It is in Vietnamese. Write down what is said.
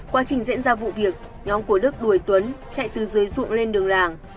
quá trình diễn ra vụ việc nhóm của đức đuổi tuấn chạy từ dưới ruộng lên đường làng